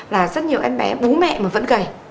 là rất nhiều em bé bú mẹ mà vẫn gầy